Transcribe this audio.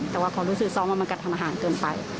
แต่ว่าเขารู้สึกเศร้ามากมันกับทำอาหารเกินไป